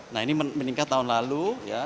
nah ini meningkat tahun lalu ya